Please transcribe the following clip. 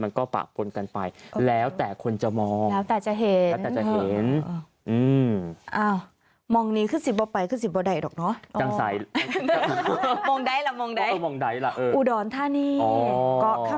ปะปนกันไปแล้วแต่คนจะมองแล้วแต่จะเห็นแล้วแต่จะเห็น